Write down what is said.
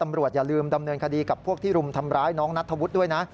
อย่าลืมดำเนินคดีกับพวกที่รุมทำร้ายน้องนัทธวุฒิด้วยนะ